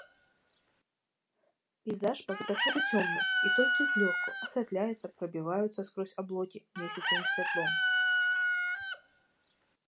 Пейзаж па-за пячоры цёмны, і толькі злёгку асвятляецца прабіваюцца скрозь аблокі месяцавым святлом.